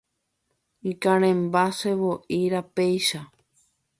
Ikarẽmba sevo'i rapéicha.